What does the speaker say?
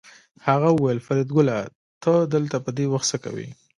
هغه وویل فریدګله ته دلته په دې وخت څه کوې